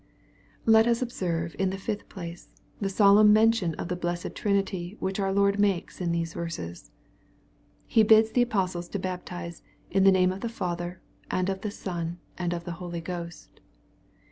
Let us observe, in the fifth place, the solemn mention of the blessed Trinity which our Lord makes in these verses. He bids the apostles to baptize " in the name of the Father, and of the Son, and of the Holy Ghost."